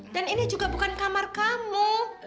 dan ini bukan kamar kamu